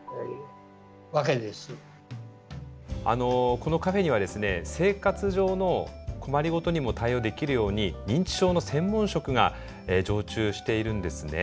このカフェにはですね生活上の困り事にも対応できるように認知症の専門職が常駐しているんですね。